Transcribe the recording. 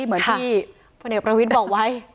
เหมือนที่พลเอกประวิทย์บอกไว้